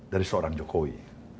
dari seorang jokowi